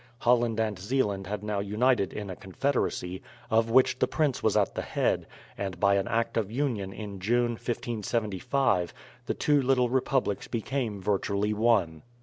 Holland and Zeeland had now united in a confederacy, of which the prince was at the head, and by an Act of Union in June, 1575, the two little republics became virtually one.